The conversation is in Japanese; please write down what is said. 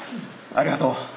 ありがとう。